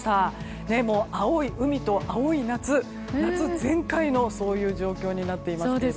でも、青い海と青い夏夏全開の状況になっていますね。